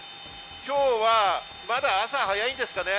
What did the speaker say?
今日はまだ朝早いんですかね。